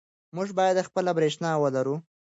موږ باید خپله برښنا ولرو.